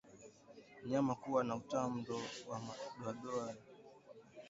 Mnyama kuwa na utando wa madoadoa ya damu kuzunguka moyo ni dalili ya ndigana